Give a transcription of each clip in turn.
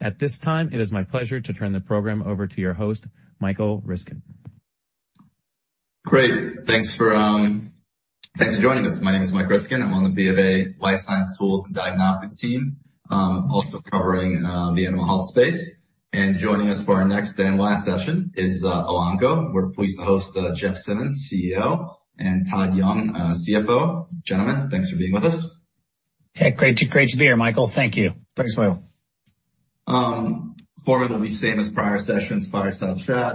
At this time, it is my pleasure to turn the program over to your host, Michael Ryskin. Great. Thanks for joining us. My name is Mike Ryskin. I'm on the BofA Life Science Tools and Diagnostics team, also covering the animal health space. Joining us for our next and last session is Elanco. We're pleased to host Jeff Simmons, CEO, and Todd Young, CFO. Gentlemen, thanks for being with us. Hey, great to be here, Michael. Thank you. Thanks, Michael. Formally same as prior sessions, fire side chat.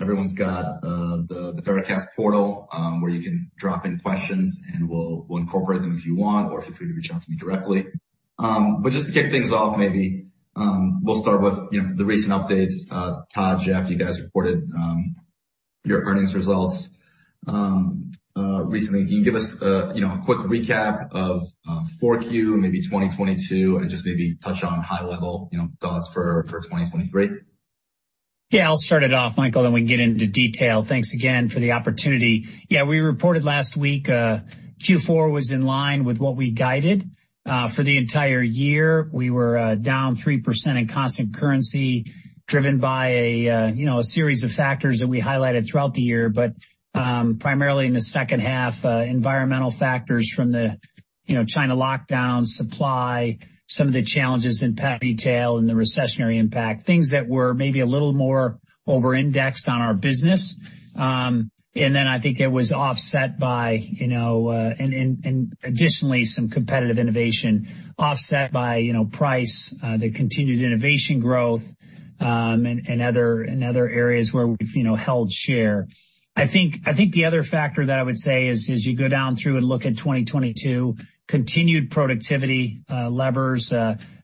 Everyone's got the Veracast portal, where you can drop in questions, and we'll incorporate them if you want, or feel free to reach out to me directly. Just to kick things off, maybe, we'll start with, you know, the recent updates. Todd, Jeff, you guys reported your earnings results recently. Can you give us, you know, a quick recap of four Q, maybe 2022, and just maybe touch on high level, you know, thoughts for 2023? I'll start it off, Michael, then we can get into detail. Thanks again for the opportunity. We reported last week, Q4 was in line with what we guided. For the entire year, we were down 3% in constant currency, driven by a, you know, a series of factors that we highlighted throughout the year, but primarily in the second half, environmental factors from the, you know, China lockdowns, supply, some of the challenges in pet retail and the recessionary impact, things that were maybe a little more over-indexed on our business. Then I think it was offset by, you know, and additionally, some competitive innovation offset by, you know, price, the continued innovation growth, and other areas where we've, you know, held share. I think the other factor that I would say is as you go down through and look at 2022, continued productivity levers,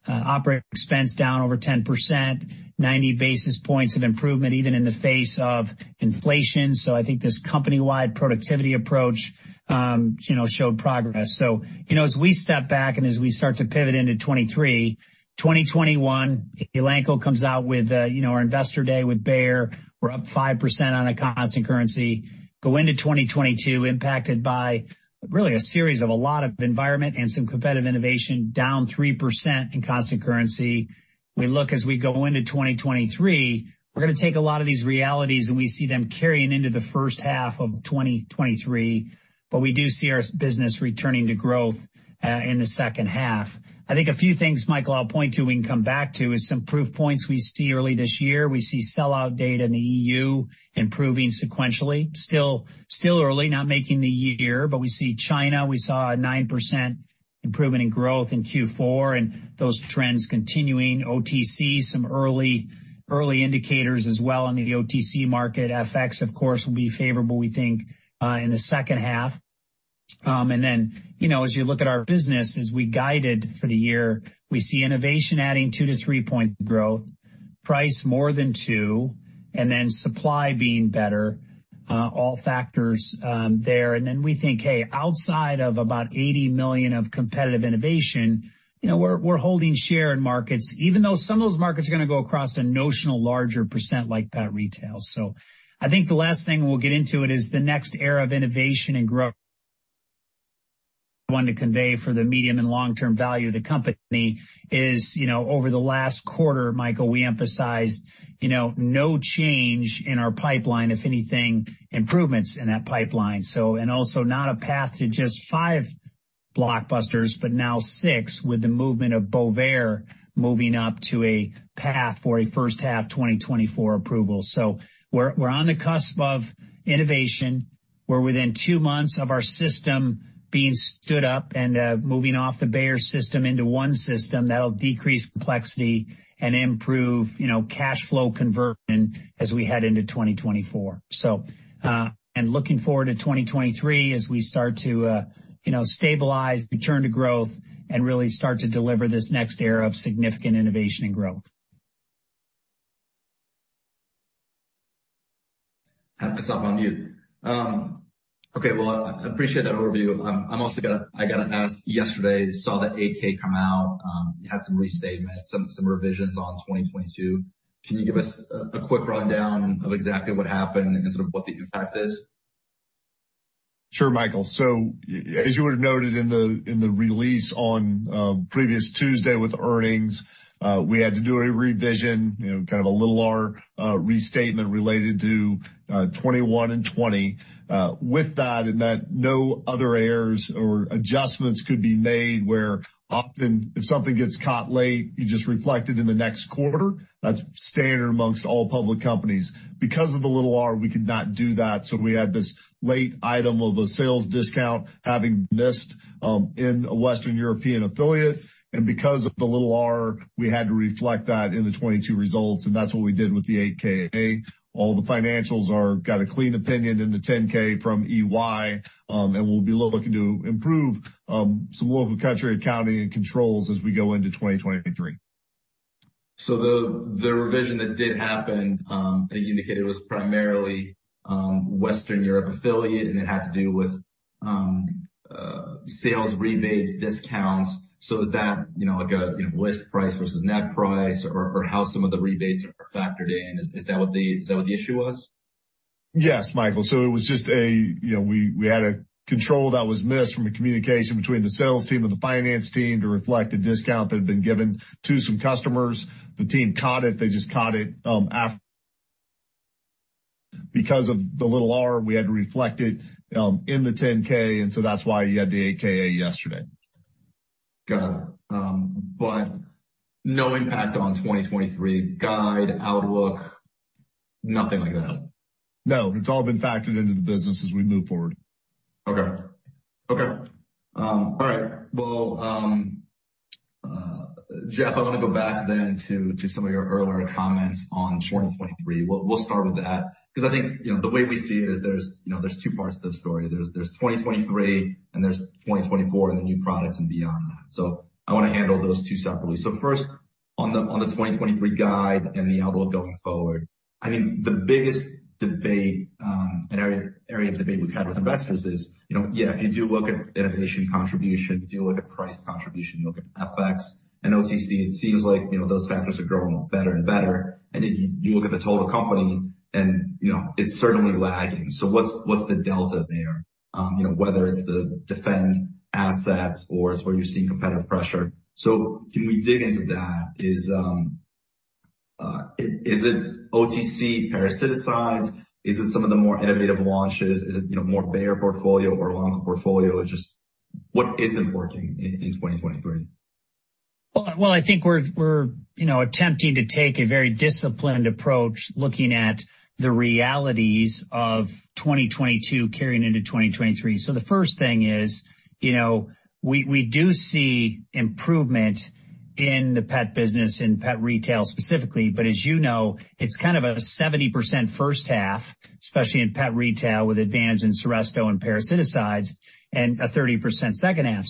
operating expense down over 10%, 90 basis points of improvement even in the face of inflation. I think this company-wide productivity approach, you know, showed progress. As we step back and as we start to pivot into 2023, 2021, Elanco comes out with, you know, our Investor Day with Bayer. We're up 5% on a constant currency. Go into 2022, impacted by really a series of a lot of environment and some competitive innovation, down 3% in constant currency. We look as we go into 2023, we're gonna take a lot of these realities, and we see them carrying into the first half of 2023, but we do see our business returning to growth in the second half. I think a few things, Michael, I'll point to, we can come back to is some proof points we see early this year. We see sellout data in the EU improving sequentially. Still early, not making the year, but we see China, we saw a 9% improvement in growth in Q4, and those trends continuing. OTC, some early indicators as well in the OTC market. FX, of course, will be favorable, we think, in the second half. Then, you know, as you look at our business as we guided for the year, we see innovation adding 2-3 points of growth, price more than two, then supply being better, all factors there. Then we think, hey, outside of about $80 million of competitive innovation, you know, we're holding share in markets, even though some of those markets are gonna go across a notional larger % like pet retail. I think the last thing we'll get into it is the next era of innovation and want to convey for the medium and long-term value of the company is, you know, over the last quarter, Michael, we emphasized, you know, no change in our pipeline, if anything, improvements in that pipeline. And also not a path to just five blockbusters, but now six with the movement of Bovaer moving up to a path for a first half 2024 approval. We're, we're on the cusp of innovation. We're within two months of our system being stood up and moving off the Bayer system into one system that'll decrease complexity and improve, you know, cash flow conversion as we head into 2024. And looking forward to 2023 as we start to, you know, stabilize, return to growth, and really start to deliver this next era of significant innovation and growth. It's not on mute. Okay, well, I appreciate that overview. I gotta ask, yesterday, saw the 8-K come out. It had some restatements, some revisions on 2022. Can you give us a quick rundown of exactly what happened and sort of what the impact is? Sure, Michael. As you would have noted in the release on previous Tuesday with earnings, we had to do a revision, you know, kind of a little R, restatement related to 21 and 20. With that, in that no other errors or adjustments could be made, where often if something gets caught late, you just reflect it in the next quarter. That's standard amongst all public companies. Because of the little R, we could not do that. We had this late item of a sales discount having been missed in a Western European affiliate. Because of the little R, we had to reflect that in the 22 results, and that's what we did with the 8-K. All the financials got a clean opinion in the 10-K from EY. We'll be looking to improve some local country accounting and controls as we go into 2023. The revision that did happen, I think you indicated was primarily Western Europe affiliate, and it had to do with sales rebates, discounts. Is that, you know, like a, you know, list price versus net price or how some of the rebates are factored in? Is that what the issue was? Michael. It was just a, you know, we had a control that was missed from a communication between the sales team and the finance team to reflect a discount that had been given to some customers. The team caught it. They just caught it because of the little R we had to reflect it in the 10-K. That's why you had the 8-K yesterday. Got it. No impact on 2023 guide outlook, nothing like that? No. It's all been factored into the business as we move forward. Okay. Okay. All right. Well, Jeff, I want to go back then to some of your earlier comments on 2023. We'll start with that because I think, you know, the way we see it is there's, you know, two parts to the story. There's 2023, and there's 2024 and the new products and beyond that. I want to handle those two separately. First, on the 2023 guide and the outlook going forward, I think the biggest debate, and area of debate we've had with investors is, you know, yeah, if you do look at innovation contribution, you do look at price contribution, you look at FX and OTC, it seems like, you know, those factors are growing better and better. Then you look at the total company and, you know, it's certainly lagging. What's, what's the delta there? You know, whether it's the defend assets or it's where you're seeing competitive pressure. Can we dig into that? Is, is it OTC parasiticides? Is it some of the more innovative launches? Is it, you know, more Bayer portfolio or Lonza portfolio? Just what isn't working in 2023? I think we're, you know, attempting to take a very disciplined approach, looking at the realities of 2022 carrying into 2023. The first thing is, you know, we do see improvement in the pet business, in pet retail specifically. As you know, it's kind of a 70% first half, especially in pet retail with Advantage in Seresto and parasiticides, and a 30% second half.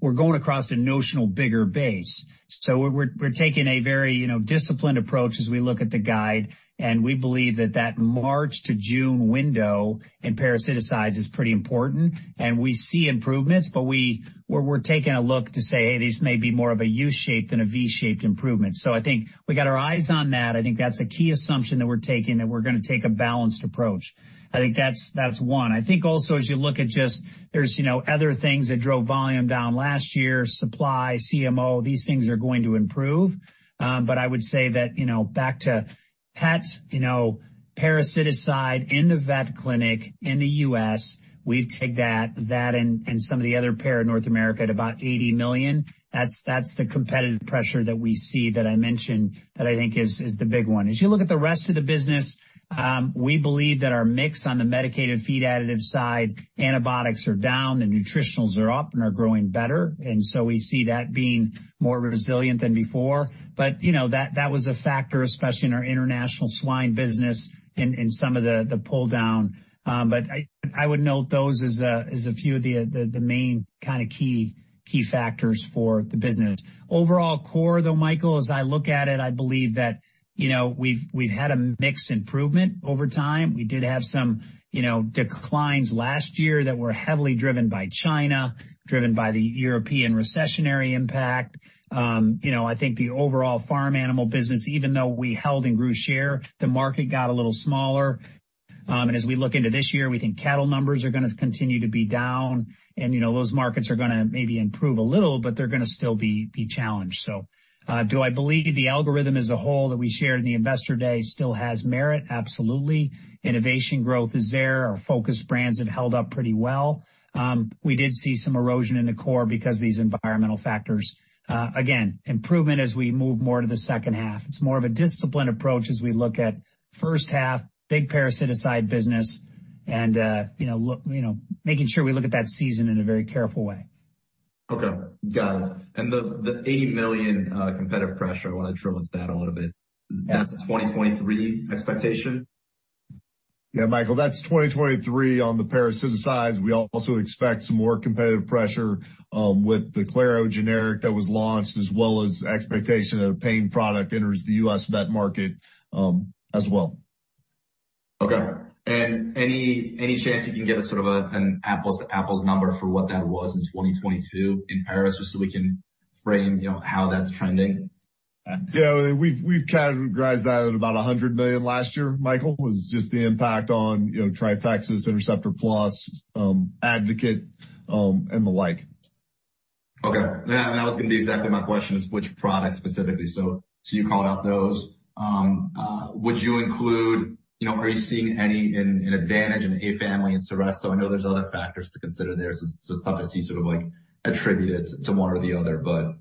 We're going across a notional bigger base. We're taking a very, you know, disciplined approach as we look at the guide, and we believe that that March to June window in parasiticides is pretty important. We see improvements, but we're taking a look to say, "Hey, this may be more of a U-shaped than a V-shaped improvement." I think we got our eyes on that. I think that's a key assumption that we're taking, that we're gonna take a balanced approach. I think that's one. I think also as you look at just there's, you know, other things that drove volume down last year, supply, CMO, these things are going to improve. I would say that, you know, back to pets, you know, parasiticide in the vet clinic in the U.S., we've take that and some of the other pair of North America at about $80 million. That's the competitive pressure that we see that I mentioned that I think is the big one. As you look at the rest of the business, we believe that our mix on the medicated feed additive side, antibiotics are down, the nutritionals are up and are growing better. We see that being more resilient than before. You know, that was a factor, especially in our international swine business in some of the pull-down. I would note those as a few of the main key factors for the business. Overall core, though, Michael, as I look at it, I believe that, you know, we've had a mix improvement over time. We did have some, you know, declines last year that were heavily driven by China, driven by the European recessionary impact. You know, I think the overall farm animal business, even though we held and grew share, the market got a little smaller. As we look into this year, we think cattle numbers are gonna continue to be down. You know, those markets are gonna maybe improve a little, but they're gonna still be challenged. Do I believe the algorithm as a whole that we shared in the Investor Day still has merit? Absolutely. Innovation growth is there. Our focus brands have held up pretty well. We did see some erosion in the core because of these environmental factors. Again, improvement as we move more to the second half. It's more of a disciplined approach as we look at first half, big parasiticide business and, you know, look, making sure we look at that season in a very careful way. Okay. Got it. The, the $80 million competitive pressure, I want to drill into that a little bit. That's a 2023 expectation? Yeah, Michael, that's 2023 on the parasiticides. We also expect some more competitive pressure, with the Claro generic that was launched, as well as expectation of a pain product enters the U.S. vet market, as well. Okay. Any, any chance you can give us sort of an apples to apples number for what that was in 2022 in Paris, just so we can frame, you know, how that's trending? Yeah. We've categorized that at about $100 million last year, Michael. It was just the impact on, you know, Trifexis, Interceptor Plus, Advocate, and the like. Okay. That was gonna be exactly my question, is which product specifically? You called out those. Would you include, you know, are you seeing any, an Advantage in Afamy and Seresto? I know there's other factors to consider there, so it's tough to see sort of like attributed to one or the other, but...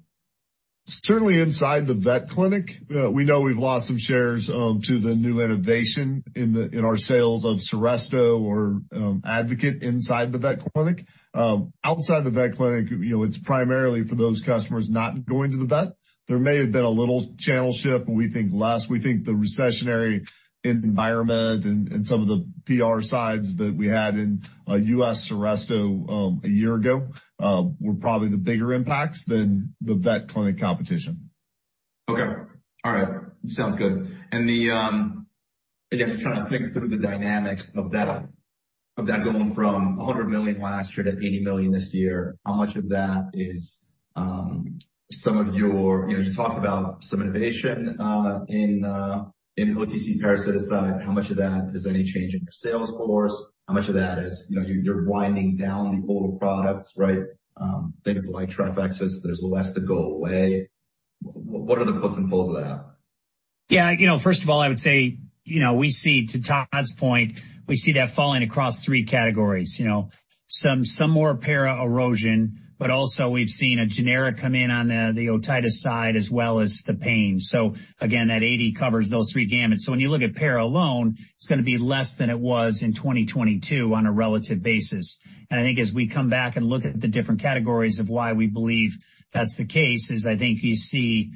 Certainly inside the vet clinic, we know we've lost some shares to the new innovation in our sales of Seresto or Advocate inside the vet clinic. Outside the vet clinic, you know, it's primarily for those customers not going to the vet. There may have been a little channel shift, but we think less. We think the recessionary environment and some of the parasiticides that we had in U.S. Seresto a year ago were probably the bigger impacts than the vet clinic competition. Okay. All right. Sounds good. Again, just trying to think through the dynamics of that, of that going from $100 million last year to $80 million this year, how much of that is, you know, you talked about some innovation in OTC parasiticides. How much of that is any change in your sales force? How much of that is, you know, you're winding down the older products, right? Things like Trifexis, there's less that go away. What are the pros and cons of that? Yeah. You know, first of all, I would say, you know, we see, to Todd's point, we see that falling across three categories. You know, some more para erosion, but also we've seen a generic come in on the otitis side as well as the pain. Again, that 80 covers those three gamuts. When you look at para alone, it's gonna be less than it was in 2022 on a relative basis. I think as we come back and look at the different categories of why we believe that's the case is, I think you see,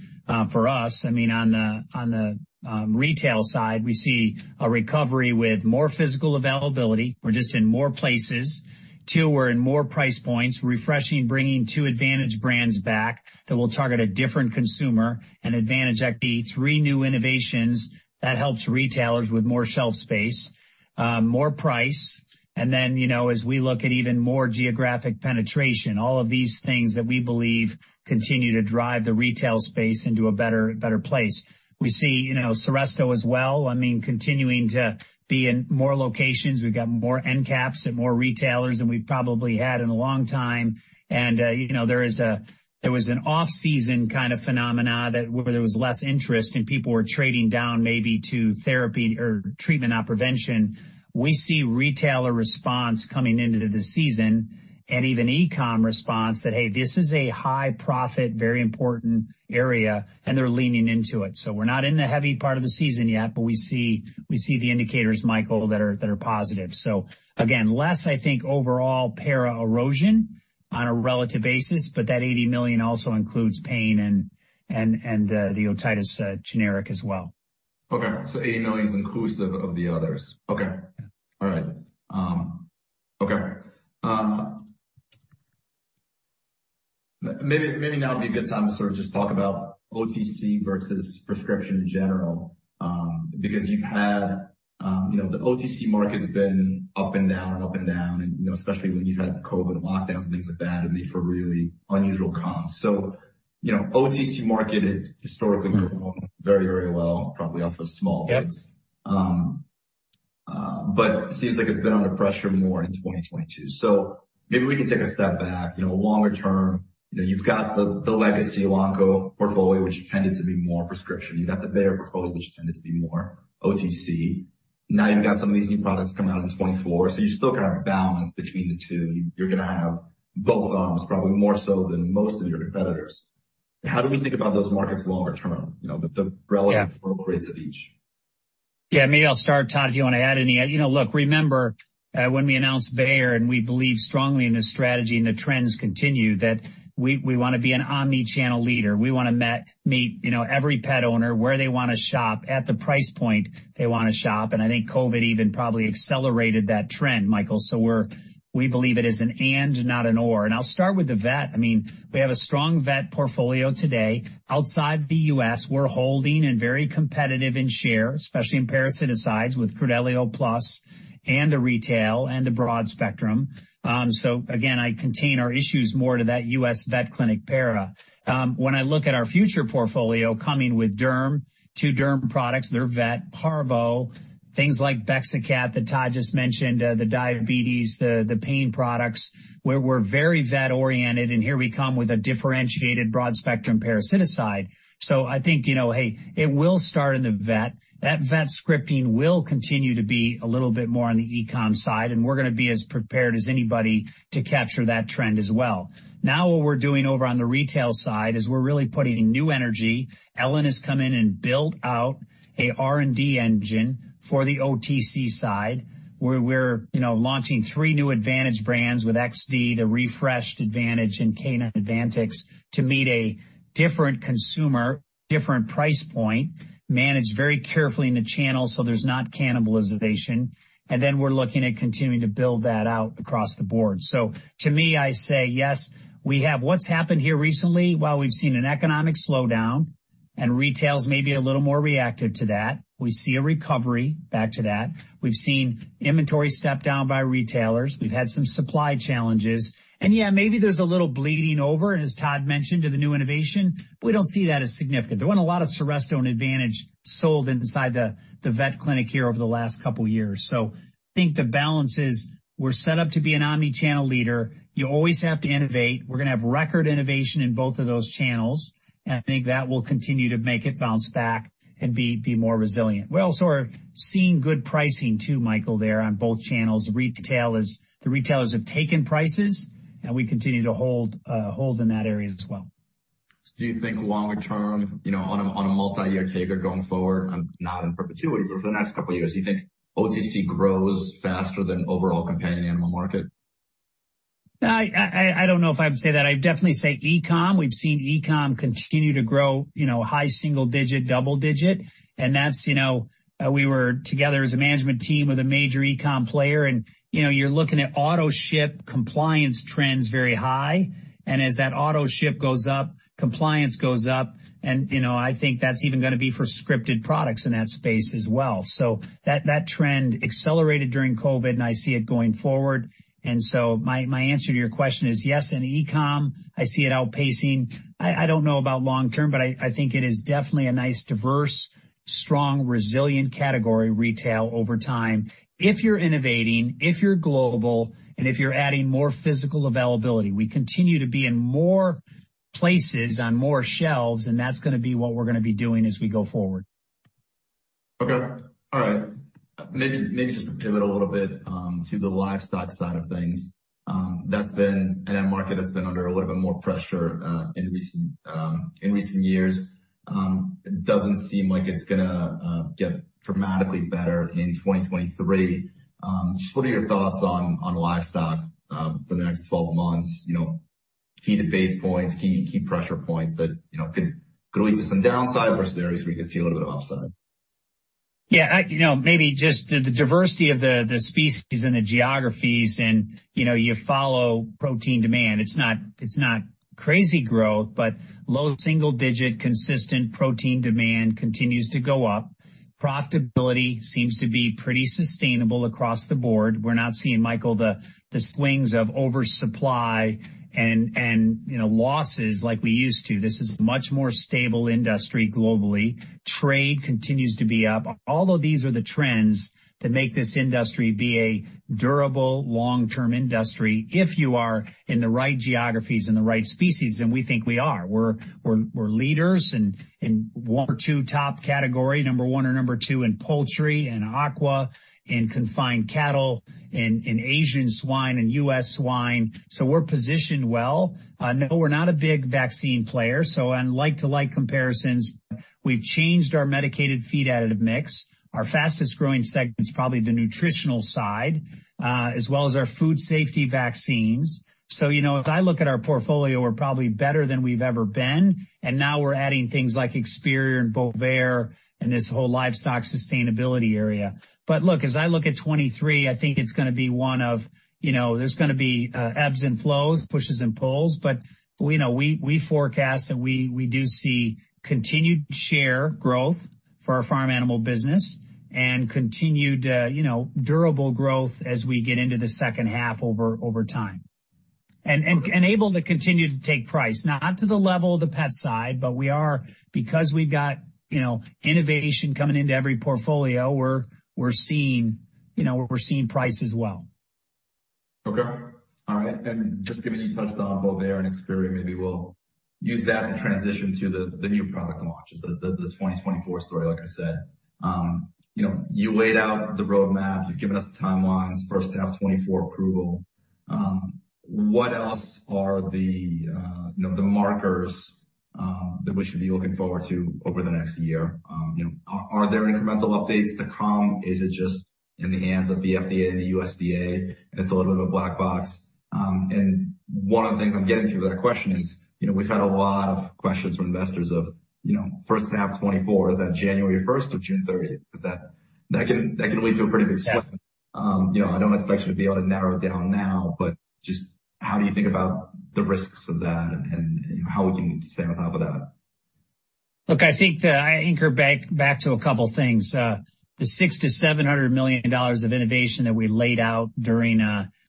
for us, I mean, on the retail side, we see a recovery with more physical availability. We're just in more places. two, we're in more price points, refreshing, bringing two Advantage brands back that will target a different consumer. An Advantage XD, three new innovations that helps retailers with more shelf space, more price. You know, as we look at even more geographic penetration, all of these things that we believe continue to drive the retail space into a better place. We see, you know, Seresto as well, I mean, continuing to be in more locations. We've got more end caps at more retailers than we've probably had in a long time. You know, there was an off-season kind of phenomena that where there was less interest and people were trading down maybe to therapy or treatment, not prevention. We see retailer response coming into the season and even e-com response that, hey, this is a high profit, very important area, they're leaning into it. We're not in the heavy part of the season yet, but we see the indicators, Michael, that are positive. Again, less, I think, overall para erosion on a relative basis, but that $80 million also includes pain and the otitis generic as well. Okay. $80 million is inclusive of the others. Okay. All right. Okay. Maybe now would be a good time to sort of just talk about OTC versus prescription in general, because the OTC market's been up and down, up and down, and especially when you had COVID lockdowns and things like that, it made for really unusual comps. OTC market historically performed very, very well, probably off a small base. Seems like it's been under pressure more in 2022. Maybe we can take a step back. Longer term, you've got the legacy Elanco portfolio, which tended to be more prescription. You've got the Bayer portfolio, which tended to be more OTC. Now you've got some of these new products coming out in 2024, so you still kind of balance between the two. You're gonna have both arms, probably more so than most of your competitors. How do we think about those markets longer term? You know, the relative growth rates of each? Yeah. Maybe I'll start, Todd, if you want to add any. You know, look, remember, when we announced Bayer, we believe strongly in the strategy and the trends continue, that we wanna be an omni-channel leader. We wanna meet, you know, every pet owner where they wanna shop at the price point they wanna shop. I think COVID even probably accelerated that trend, Michael. We believe it is an and, not an or. I'll start with the vet. I mean, we have a strong vet portfolio today. Outside the U.S., we're holding and very competitive in share, especially in parasiticides with Credelio Plus and a retail and a broad spectrum. Again, I contain our issues more to that U.S. vet clinic para. When I look at our future portfolio coming with derm, two derm products, they're vet, parvo, things like Bexacat that Todd just mentioned, the diabetes, the pain products, where we're very vet-oriented, and here we come with a differentiated broad-spectrum parasiticide. I think, you know, hey, it will start in the vet. That vet scripting will continue to be a little bit more on the e-com side, and we're gonna be as prepared as anybody to capture that trend as well. Now, what we're doing over on the retail side is we're really putting new energy. Ellen has come in and built out a R&D engine for the OTC side, where we're, you know, launching three new Advantage brands with XD, the refreshed Advantage, and K9 Advantix to meet a different consumer, different price point, managed very carefully in the channel so there's not cannibalization. We're looking at continuing to build that out across the board. To me, I say, yes, we have what's happened here recently. While we've seen an economic slowdown and retail's maybe a little more reactive to that, we see a recovery back to that. We've seen inventory step down by retailers. We've had some supply challenges. Yeah, maybe there's a little bleeding over, and as Todd mentioned, to the new innovation. We don't see that as significant. There weren't a lot of Seresto and Advantage sold inside the vet clinic here over the last couple years. I think the balance is we're set up to be an omni-channel leader. You always have to innovate. We're gonna have record innovation in both of those channels, and I think that will continue to make it bounce back and be more resilient. We also are seeing good pricing too, Michael, there on both channels. The retailers have taken prices, we continue to hold in that area as well. Do you think longer term, you know, on a multi-year taker going forward, not in perpetuity, but for the next couple years, do you think OTC grows faster than overall companion animal market? I don't know if I would say that. I'd definitely say e-com. We've seen e-com continue to grow, you know, high single-digit, double-digit. That's, you know, we were together as a management team with a major e-com player. You know, you're looking at auto-ship compliance trends very high. As that auto-ship goes up, compliance goes up. You know, I think that's even gonna be for scripted products in that space as well. That, that trend accelerated during COVID, and I see it going forward. My, my answer to your question is yes, in e-com, I see it outpacing. I don't know about long term, but I think it is definitely a nice, diverse, strong, resilient category retail over time. If you're innovating, if you're global, and if you're adding more physical availability, we continue to be in more places on more shelves, and that's gonna be what we're gonna be doing as we go forward. Okay. All right. Maybe, maybe just to pivot a little bit to the livestock side of things. In a market that's been under a little bit more pressure in recent years. It doesn't seem like it's gonna get dramatically better in 2023. Just what are your thoughts on livestock for the next 12 months? You know, key debate points, key pressure points that, you know, could lead to some downside versus areas where you could see a little bit of upside. Yeah. I, you know, maybe just the diversity of the species and the geographies and, you know, you follow protein demand. It's not crazy growth, but low single-digit consistent protein demand continues to go up. Profitability seems to be pretty sustainable across the board. We're not seeing, Michael, the swings of oversupply and, you know, losses like we used to. This is much more stable industry globally. Trade continues to be up. All of these are the trends that make this industry be a durable long-term industry if you are in the right geographies and the right species, and we think we are. We're leaders in one or two top category, number one or number two in poultry and aqua, in confined cattle, in Asian swine and U.S. swine. We're positioned well. No, we're not a big vaccine player, on like-to-like comparisons, we've changed our medicated feed additive mix. Our fastest growing segment is probably the nutritional side, as well as our food safety vaccines. You know, if I look at our portfolio, we're probably better than we've ever been, and now we're adding things like Experior and Bovaer and this whole livestock sustainability area. Look, as I look at 2023, I think it's gonna be one of, you know, there's gonna be ebbs and flows, pushes and pulls. We forecast and we do see continued share growth for our farm animal business and continued, you know, durable growth as we get into the second half over time. And able to continue to take price. Not to the level of the pet side, but we are... We've got, you know, innovation coming into every portfolio, we're seeing, you know, we're seeing prices well. Okay. All right. Just given you touched on Bovaer and Experior, maybe we'll use that to transition to the new product launches, the 2024 story, like I said. You know, you laid out the roadmap. You've given us the timelines, first half 2024 approval. What else are the, you know, the markers that we should be looking forward to over the next year? You know, are there incremental updates to come? Is it just in the hands of the FDA and the USDA, and it's a little bit of a black box? One of the things I'm getting to with that question is, you know, we've had a lot of questions from investors of, you know, first half 2024, is that January 1st or June 30th? 'Cause that can lead to a pretty big step. you know, I don't expect you to be able to narrow it down now, but just how do you think about the risks of that and how we can stay on top of that? Look, I think that I anchor back to a couple things. The $600 million-$700 million of innovation that we laid out during,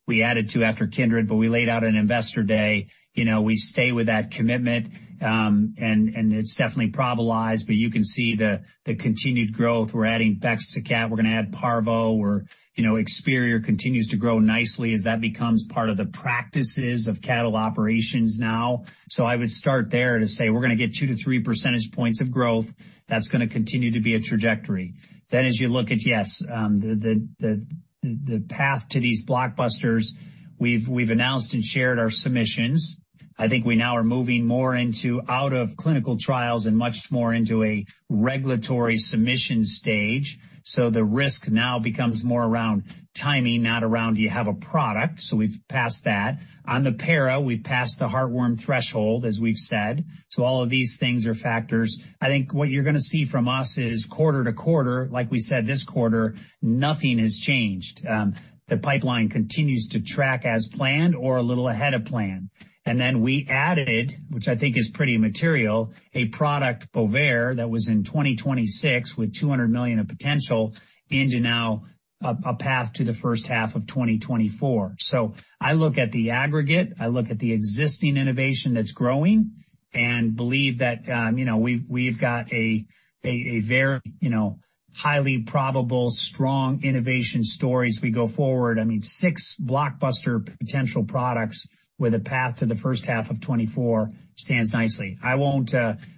we added to after Kindred, but we laid out in Investor Day. You know, we stay with that commitment, and it's definitely probabilized, but you can see the continued growth. We're adding Bexacat. We're gonna add parvo. You know, Experior continues to grow nicely as that becomes part of the practices of cattle operations now. I would start there to say we're gonna get 2 to 3 percentage points of growth. That's gonna continue to be a trajectory. As you look at, yes, the path to these blockbusters, we've announced and shared our submissions. I think we now are moving more into out of clinical trials and much more into a regulatory submission stage. The risk now becomes more around timing, not around do you have a product. We've passed that. On the parvo, we've passed the heartworm threshold, as we've said. All of these things are factors. I think what you're gonna see from us is quarter to quarter, like we said this quarter, nothing has changed. The pipeline continues to track as planned or a little ahead of plan. Then we added, which I think is pretty material, a product, Bovaer, that was in 2026 with $200 million of potential into now a path to the first half of 2024. I look at the aggregate, I look at the existing innovation that's growing and believe that, you know, we've got a very, you know, highly probable strong innovation story as we go forward. I mean, six blockbuster potential products with a path to the first half of 2024 stands nicely. I won't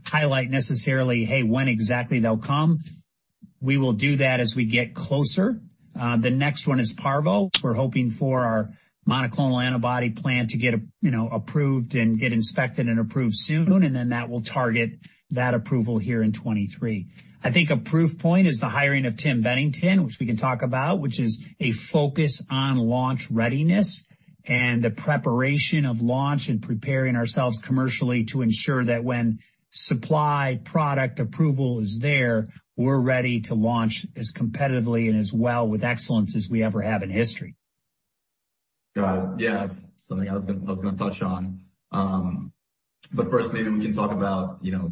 highlight necessarily, hey, when exactly they'll come. We will do that as we get closer. The next one is parvo. We're hoping for our monoclonal antibody plan to get, you know, approved and get inspected and approved soon, and then that will target that approval here in 2023. I think a proof point is the hiring of Tim Bettington, which we can talk about, which is a focus on launch readiness and the preparation of launch and preparing ourselves commercially to ensure that when supply, product approval is there, we're ready to launch as competitively and as well with excellence as we ever have in history. Got it. Yeah. It's something I was gonna touch on. First maybe we can talk about, you know,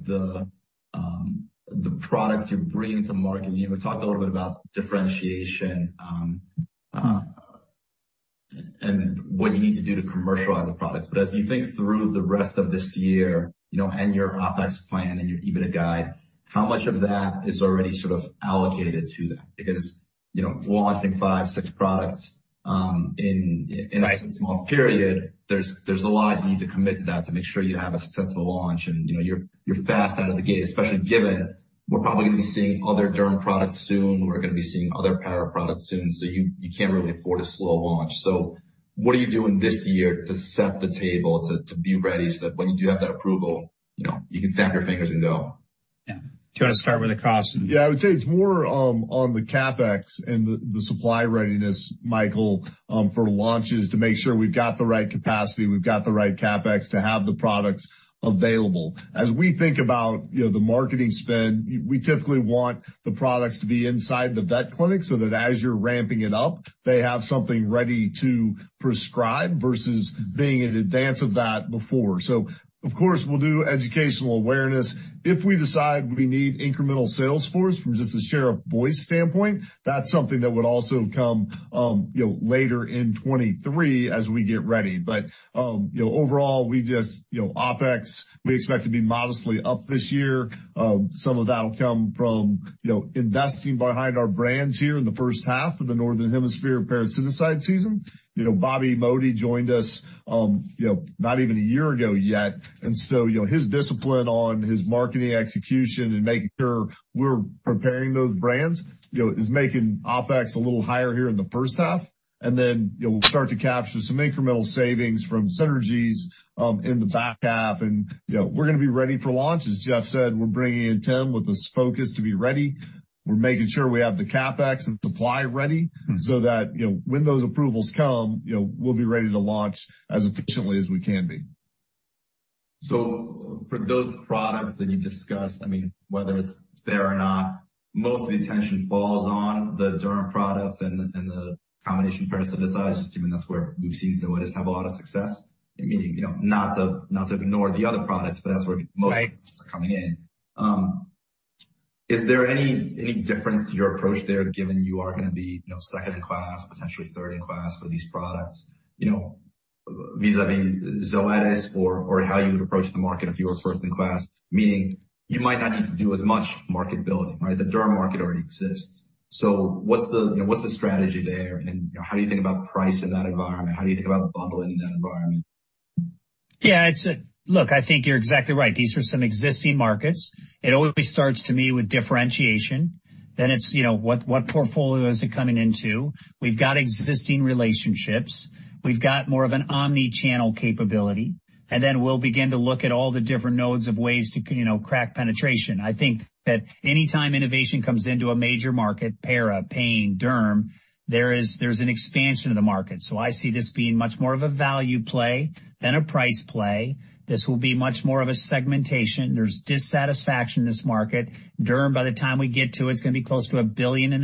the products you're bringing to market. You know, we talked a little bit about differentiation, and what you need to do to commercialize the products. But as you think through the rest of this year, you know, and your OpEx plan and your EBITDA guide, how much of that is already sort of allocated to that? Because-You know, launching five, six products, in- Right in a small period, there's a lot you need to commit to that to make sure you have a successful launch and, you know, you're fast out of the gate, especially given we're probably gonna be seeing other derm products soon. We're gonna be seeing other para products soon, you can't really afford a slow launch. What are you doing this year to set the table to be ready so that when you do have that approval, you know, you can snap your fingers and go? Yeah. Do you wanna start with the cost and- I would say it's more on the CapEx and the supply readiness, Michael, for launches to make sure we've got the right capacity, we've got the right CapEx to have the products available. As we think about, you know, the marketing spend, we typically want the products to be inside the vet clinic so that as you're ramping it up, they have something ready to prescribe versus being in advance of that before. Of course, we'll do educational awareness. If we decide we need incremental sales force from just a share of voice standpoint, that's something that would also come, you know, later in 2023 as we get ready. You know, overall we just, you know, OpEx, we expect to be modestly up this year. Some of that'll come from, you know, investing behind our brands here in the first half of the Northern Hemisphere parasiticide season. You know, Bobby Modi joined us, you know, not even a year ago yet, so, you know, his discipline on his marketing execution and making sure we're preparing those brands, you know, is making OpEx a little higher here in the first half. You know, we'll start to capture some incremental savings from synergies in the back half. You know, we're gonna be ready for launch. As Jeff said, we're bringing in Tim with his focus to be ready. We're making sure we have the CapEx and supply ready so that, you know, when those approvals come, you know, we'll be ready to launch as efficiently as we can be. For those products that you discussed, I mean, whether it's there or not, most of the attention falls on the derm products and the combination parasiticides, just given that's where we've seen Zoetis have a lot of success. Meaning, you know, not to ignore the other products, but that's where most are coming in. Is there any difference to your approach there, given you are gonna be, you know, second in class, potentially third in class for these products? You know, vis-a-vis Zoetis or how you would approach the market if you were first in class, meaning you might not need to do as much market building, right? The derm market already exists. What's the, you know, what's the strategy there, and how do you think about price in that environment? How do you think about bundling in that environment? Look, I think you're exactly right. These are some existing markets. It always starts to me with differentiation. It's, you know, what portfolio is it coming into? We've got existing relationships. We've got more of an omni-channel capability. Then we'll begin to look at all the different nodes of ways to, you know, crack penetration. I think that any time innovation comes into a major market, para, pain, derm, there's an expansion of the market. I see this being much more of a value play than a price play. This will be much more of a segmentation. There's dissatisfaction in this market. Derm, by the time we get to it's gonna be close to $1.5 billion.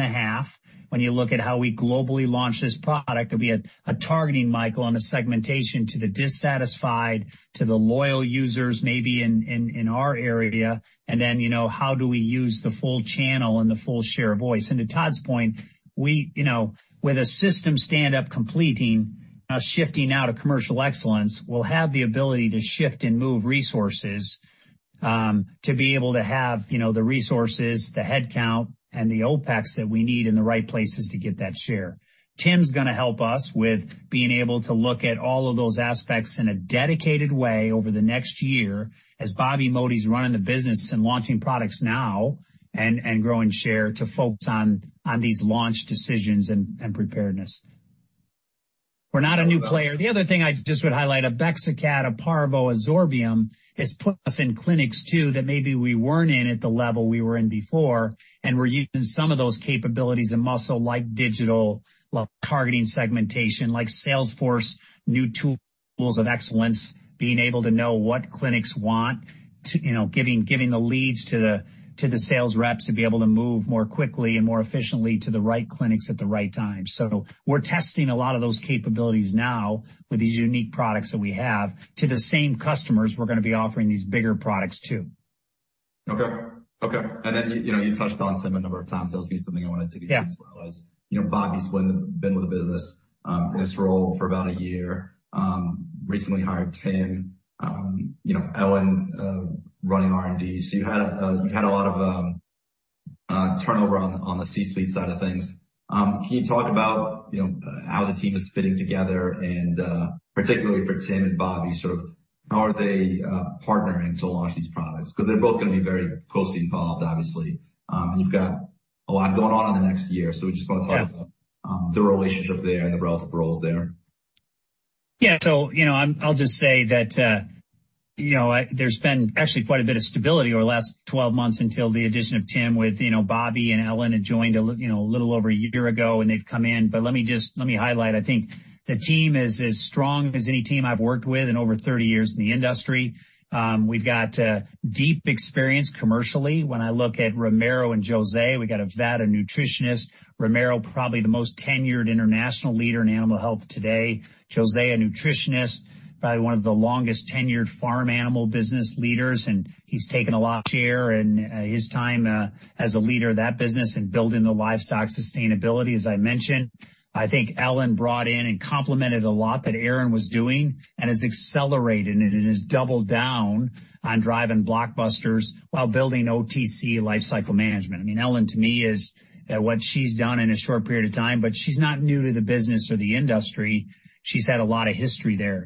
When you look at how we globally launch this product, there'll be a targeting, Michael, and a segmentation to the dissatisfied, to the loyal users maybe in our area. Then, you know, how do we use the full channel and the full share of voice? To Todd's point, we, you know, with a system standup completing, us shifting now to commercial excellence, we'll have the ability to shift and move resources to be able to have, you know, the resources, the headcount, and the OpEx that we need in the right places to get that share. Tim's gonna help us with being able to look at all of those aspects in a dedicated way over the next year, as Bobby Modi's running the business and launching products now and growing share to focus on these launch decisions and preparedness. We're not a new player. The other thing I just would highlight, Bexacat, Aparvo, Zorbium, has put us in clinics too that maybe we weren't in at the level we were in before. We're using some of those capabilities and muscle like digital, like targeting segmentation, like Salesforce, new tools of excellence, being able to know what clinics want to, you know, giving the leads to the, to the sales reps to be able to move more quickly and more efficiently to the right clinics at the right time. We're testing a lot of those capabilities now with these unique products that we have to the same customers we're gonna be offering these bigger products to. Okay. Okay. You know, you touched on Tim a number of times. That was gonna be something I wanted to get to as well. Yeah. As you know, Bobby's been with the business, in this role for about a year. Recently hired Tim, you know, Ellen running R&D. You've had a lot of turnover on the C-suite side of things. Can you talk about, you know, how the team is fitting together, and particularly for Tim and Bobby, sort of how are they partnering to launch these products? 'Cause they're both gonna be very closely involved, obviously. And you've got a lot going on in the next year, so we just wanna talk about the relationship there and the breadth of roles there. You know, I'll just say that, you know, there's been actually quite a bit of stability over the last 12 months until the addition of Tim with, you know, Bobby and Ellen had joined a lit, you know, a little over a year ago, and they've come in. Let me highlight, I think the team is as strong as any team I've worked with in over 30 years in the industry. We've got deep experience commercially. When I look at Ramiro and José, we've got a vet, a nutritionist. Ramiro, probably the most tenured international leader in animal health today. José, a nutritionist, probably one of the longest tenured farm animal business leaders, and he's taken a lot of share in his time, as a leader of that business and building the livestock sustainability, as I mentioned. I think Ellen brought in and complemented a lot that Aaron was doing and has accelerated it and has doubled down on driving blockbusters while building OTC lifecycle management. I mean, Ellen, to me, what she's done in a short period of time. She's not new to the business or the industry. She's had a lot of history there.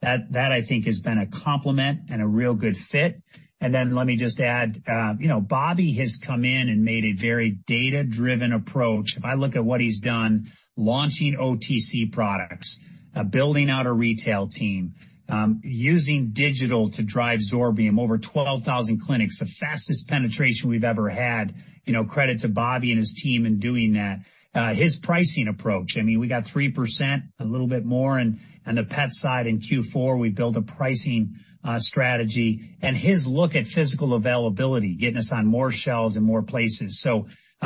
That, I think, has been a complement and a real good fit. Then let me just add, you know, Bobby has come in and made a very data-driven approach. If I look at what he's done, launching OTC products, building out a retail team, using digital to drive Zorbium, over 12,000 clinics, the fastest penetration we've ever had. You know, credit to Bobby and his team in doing that. His pricing approach, I mean, we got 3% a little bit more on the pet side in Q4. We built a pricing strategy. His look at physical availability, getting us on more shelves in more places. The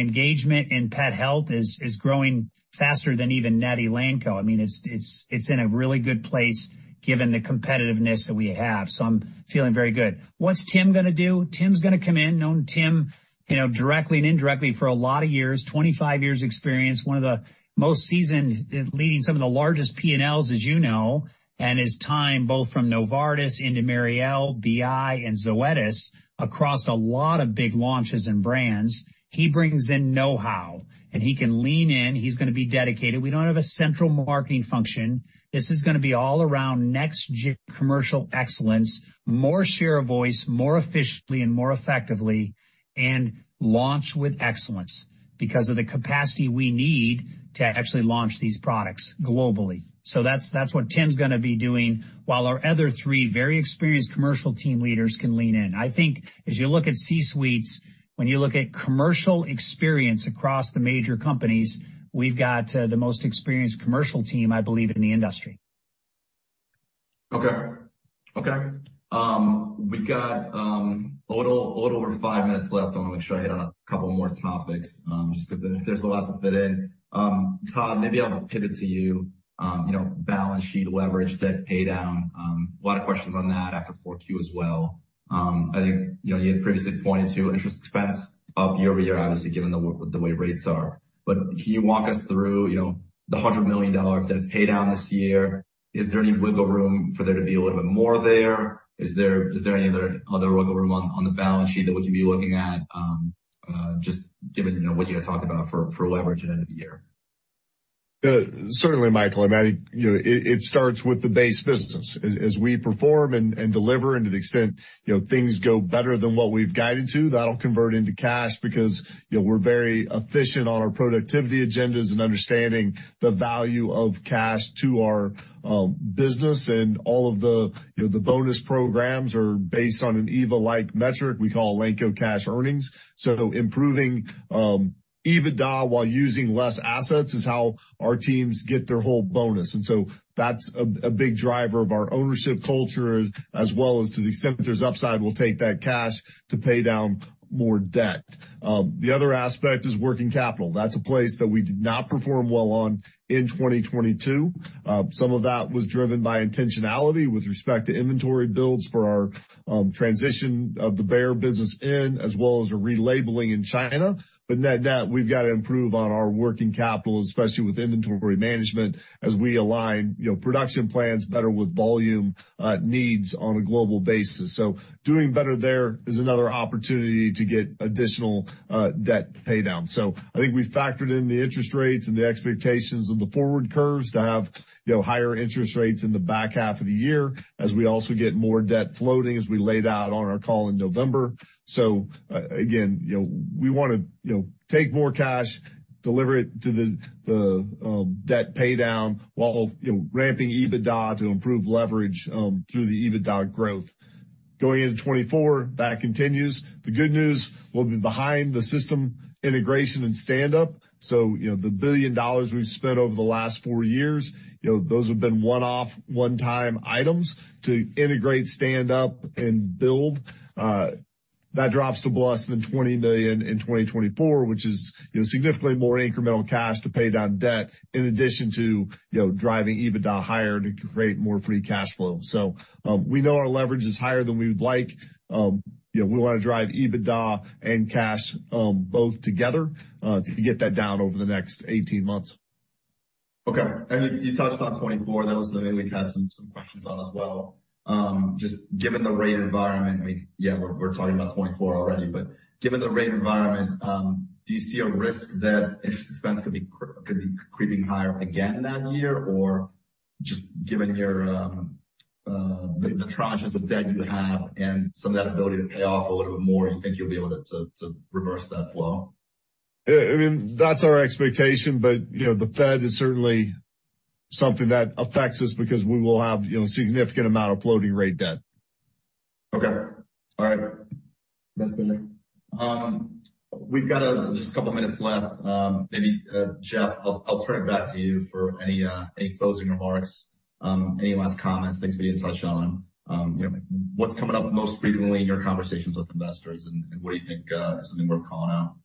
engagement in pet health is growing faster than even net Elanco. I mean, it's in a really good place given the competitiveness that we have, I'm feeling very good. What's Tim gonna do? Tim's gonna come in. Known Tim, you know, directly and indirectly for a lot of years, 25 years experience, one of the most seasoned leading some of the largest PNLs, as you know, and his time, both from Novartis into Merial, BI, and Zoetis, across a lot of big launches and brands. He brings in know-how, and he can lean in. He's gonna be dedicated. We don't have a central marketing function. This is gonna be all around next commercial excellence, more share of voice, more efficiently and more effectively, and launch with excellence because of the capacity we need to actually launch these products globally. That's what Tim's gonna be doing, while our other three very experienced commercial team leaders can lean in. I think as you look at C-suites, when you look at commercial experience across the major companies, we've got the most experienced commercial team, I believe, in the industry. Okay. Okay. We got a little over 5 minutes left, so I wanna make sure I hit on a couple more topics, just 'cause there's a lot to fit in. Todd, maybe I'll pivot to you. You know, balance sheet leverage, debt paydown, a lot of questions on that after 4Q as well. I think, you know, you had previously pointed to interest expense up year-over-year, obviously, given the way rates are. Can you walk us through, you know, the $100 million of debt paydown this year? Is there any wiggle room for there to be a little bit more there? Is there any other wiggle room on the balance sheet that we could be looking at, just given, you know, what you had talked about for leverage at end of the year? Certainly, Michael. I mean, you know, it starts with the base business. As we perform and deliver and to the extent, you know, things go better than what we've guided to, that'll convert into cash because, you know, we're very efficient on our productivity agendas and understanding the value of cash to our business. All of the, you know, the bonus programs are based on an EVA-like metric we call Elanco Cash Earnings. Improving EBITDA while using less assets is how our teams get their whole bonus. That's a big driver of our ownership culture as well as to the extent that there's upside, we'll take that cash to pay down more debt. The other aspect is working capital. That's a place that we did not perform well on in 2022. Some of that was driven by intentionality with respect to inventory builds for our transition of the Bayer business in, as well as a relabeling in China. Net net, we've got to improve on our working capital, especially with inventory management as we align, you know, production plans better with volume needs on a global basis. Doing better there is another opportunity to get additional debt paydown. I think we factored in the interest rates and the expectations of the forward curves to have, you know, higher interest rates in the back half of the year as we also get more debt floating, as we laid out on our call in November. Again, you know, we wanna, you know, take more cash, deliver it to the debt paydown while, you know, ramping EBITDA to improve leverage through the EBITDA growth. Going into 2024, that continues. The good news, we'll be behind the system integration and stand up. You know, the $1 billion we've spent over the last four years, you know, those have been one-off, one-time items to integrate, stand up, and build. That drops to less than $20 million in 2024, which is, you know, significantly more incremental cash to pay down debt in addition to, you know, driving EBITDA higher to create more free cash flow. We know our leverage is higher than we would like. You know, we wanna drive EBITDA and cash both together to get that down over the next 18 months. Okay. You touched on 2024. That was something we've had some questions on as well. Just given the rate environment, we're talking about 2024 already, but given the rate environment, do you see a risk that interest expense could be creeping higher again that year? Just given your the tranches of debt you have and some of that ability to pay off a little bit more, you think you'll be able to reverse that flow? I mean, that's our expectation. You know, the Fed is certainly something that affects us because we will have, you know, a significant amount of floating rate debt. Okay. All right. That's it then. We've got just a couple minutes left. Maybe Jeff, I'll turn it back to you for any closing remarks, any last comments. Thanks for the insight, Sean. You know, what's coming up most frequently in your conversations with investors, and what do you think is something worth calling out?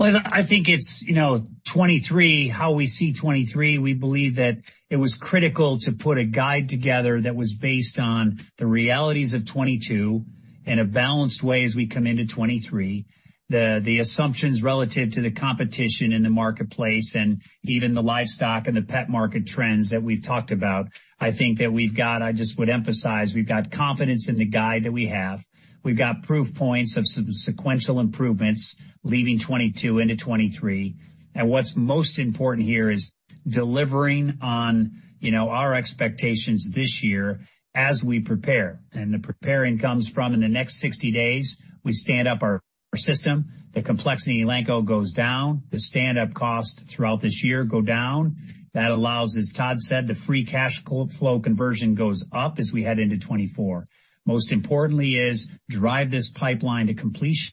Well, I think it's, you know, 2023, how we see 2023, we believe that it was critical to put a guide together that was based on the realities of 2022 in a balanced way as we come into 2023. The assumptions relative to the competition in the marketplace and even the livestock and the pet market trends that we've talked about, I just would emphasize, we've got confidence in the guide that we have. We've got proof points of some sequential improvements leaving 2022 into 2023. What's most important here is delivering on, you know, our expectations this year as we prepare. The preparing comes from in the next 60 days, we stand up our system, the complexity of Elanco goes down, the standup costs throughout this year go down. That allows, as Todd said, the free cash flow conversion goes up as we head into 2024. Most importantly is drive this pipeline to completion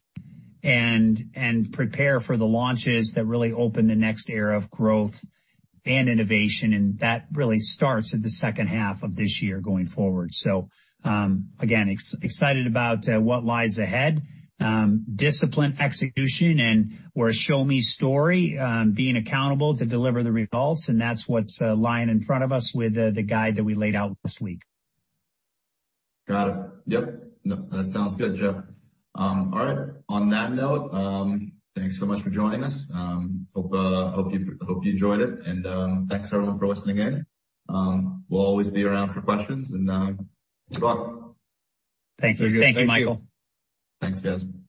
and prepare for the launches that really open the next era of growth and innovation. That really starts in the second half of this year going forward. Again, excited about what lies ahead. Disciplined execution and we're a show-me story on being accountable to deliver the results, and that's what's lying in front of us with the guide that we laid out this week. Got it. Yep. No, that sounds good, Jeff. All right. On that note, thanks so much for joining us. Hope you enjoyed it. Thanks everyone for listening in. We'll always be around for questions. Keep rockin'. Thank you. Very good. Thank you. Thank you, Michael. Thanks, guys. Cheers.